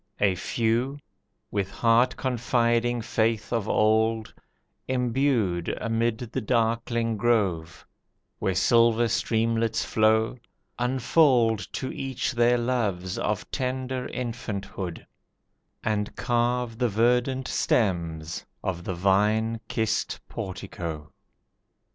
A few, with heart confiding faith of old, imbued Amid the darkling grove, where silver streamlets flow, Unfold to each their loves of tender infanthood, And carve the verdant stems of the vine kissed portico.